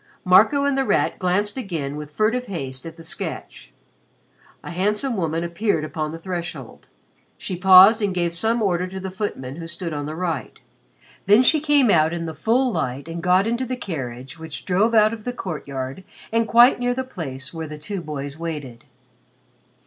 Marco and The Rat glanced again with furtive haste at the sketch. A handsome woman appeared upon the threshold. She paused and gave some order to the footman who stood on the right. Then she came out in the full light and got into the carriage which drove out of the courtyard and quite near the place where the two boys waited.